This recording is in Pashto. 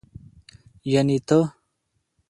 يعنې ته.